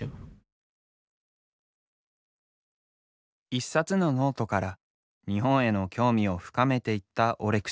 一冊のノートから日本への興味を深めていったオレクシーさん。